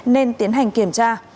nên tiến hành kiểm tra